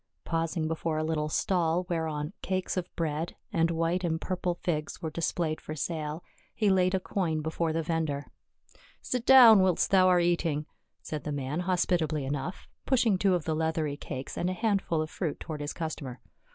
Pausing before a little stall whereon cakes of bread, and white and purple figs were displayed for sale, he laid a coin before the vendor. "Sit down whilst thou art eating," said the man hospitably enough, pushing two of the leathery cakes and a handful of fruit toward his customer.